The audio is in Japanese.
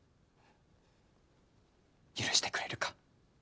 許してくれるか？